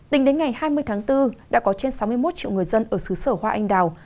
tính đến ngày hai mươi tháng bốn đã có trên sáu mươi một triệu người dân ở xứ sở hoa anh đào